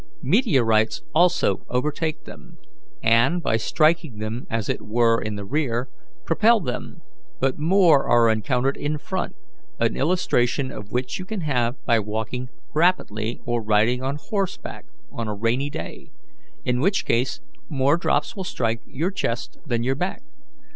Meteorites also overtake them, and, by striking them as it were in the rear, propel them, but more are encountered in front an illustration of which you can have by walking rapidly or riding on horseback on a rainy day, in which case more drops will strike your chest than your back.